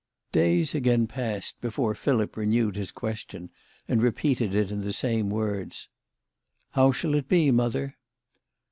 Days again passed before Philip renewed his ques tion, and repeated it in the same words :" How shall it be, mother